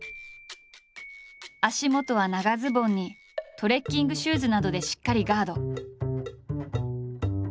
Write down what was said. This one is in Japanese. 足元は長ズボンにトレッキングシューズなどでしっかりガード。